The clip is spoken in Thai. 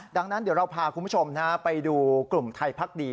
ดังนั้นเดี๋ยวเราพาคุณผู้ชมไปดูกลุ่มไทยพักดี